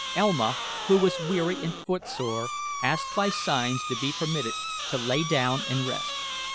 Elma, who was weary and footsore, asked by signs to be permitted to lay down and rest.